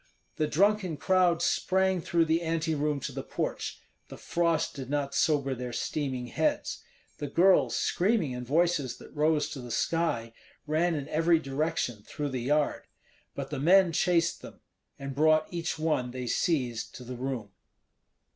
The drunken crowd sprang through the anteroom to the porch. The frost did not sober their steaming heads. The girls, screaming in voices that rose to the sky, ran in every direction through the yard; but the men chased them, and brought each one they seized to the room.